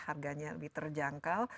harganya lebih terjangkau